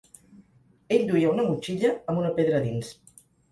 Ell duia una motxilla amb una pedra a dins.